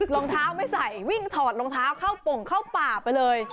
รองเท้าไม่ใส่วิ่งถอดรองเท้าเข้าปงเข้าป่าไปเลย